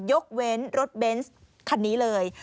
ยกเว้นรถเบนส์คันนี้เลย